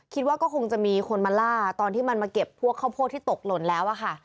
คิดว่าก็คงจะมีคนมาล่าตอนที่มันมาเก็บพวกข้าวโพดที่ตกหล่นแล้วอะค่ะ